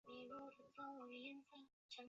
苗礼士是港龙航空创办人及首任行政总裁。